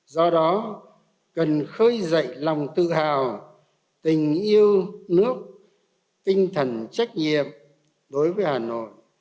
do đó cần khơi dậy lòng tự hào tình yêu nước tinh thần trách nhiệm đối với hà nội